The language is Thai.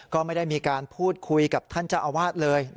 ก็ไม่ได้มีการพูดคุยกับท่านเจ้าอาวาสเลย